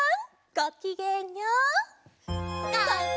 ごきげんよう！